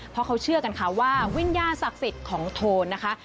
เพราะเขาเชื่อกันค่ะว่าวิญญาณศักดิ์สิทธิ์ของโทนนะคะ